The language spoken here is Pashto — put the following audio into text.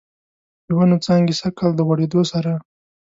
د ونوو څانګې سږکال، د غوړیدو سره